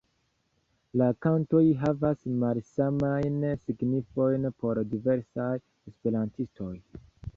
La kantoj havas malsamajn signifojn por diversaj esperantistoj.